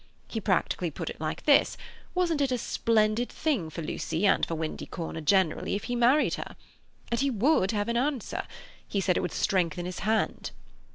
He practically put it like this: Wasn't it a splendid thing for Lucy and for Windy Corner generally if he married her? And he would have an answer—he said it would strengthen his hand."